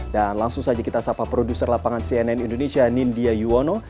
dan langsung saja kita sapa produser lapangan cnn indonesia nindya yuwono